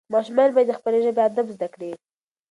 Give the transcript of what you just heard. ماشومان باید د خپلې ژبې ادب زده کړي.